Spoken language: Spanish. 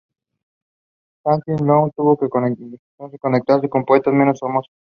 Fantin-Latour tuvo entonces que contentarse con poetas menos famosos.